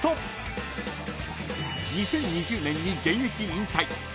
［２０２０年に現役引退］